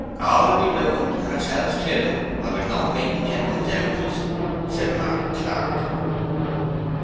"All will be ruined, and ourselves too, or there's no meat in gentlemen's houses!" said Mark Clark.